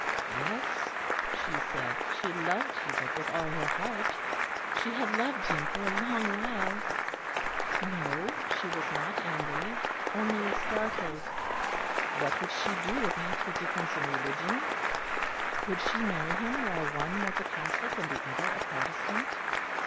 Yes, she said, she loved Hubert with all her heart. She had loved him for a long while. No, she was not angry, only startled. What would she do about the difference in religion? Could she marry him while one was a Catholic and the other a Protestant?